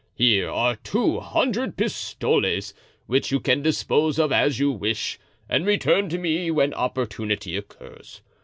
Here are two hundred pistoles, which you can dispose of as you wish and return to me when opportunity occurs.